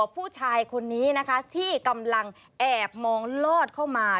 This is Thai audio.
ผู้ชายคนนี้นะคะที่กำลังแอบมองลอดเข้ามา